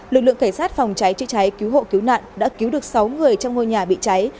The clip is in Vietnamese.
lực lượng cảnh sát phòng cháy chữa cháy cứu hộ cứu nạn đã cứu được sáu người trong ngôi nhà bị cháy